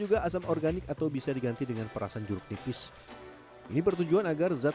juga asam organik atau bisa diganti dengan perasan jeruk nipis ini bertujuan agar zat